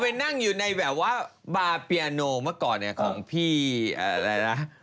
ไปนั่งอยู่ในแบบว่าบาร์เปียโนเมื่อก่อนเนี่ยของพี่อะไรนะ